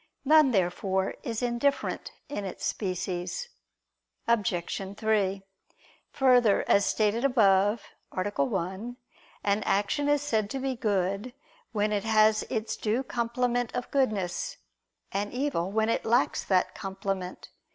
None, therefore, is indifferent in its species. Obj. 3: Further, as stated above (A. 1), an action is said to be good, when it has its due complement of goodness; and evil, when it lacks that complement.